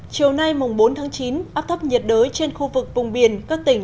chiều nay bốn tháng chín áp thấp nhiệt đới trên khu vực vùng biển các tỉnh